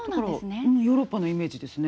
だからヨーロッパのイメージですね。